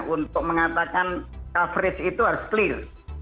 untuk mengatakan coverage itu harus clear